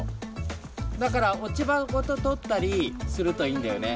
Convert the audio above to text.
だから落ち葉ごととったりするといいんだよね。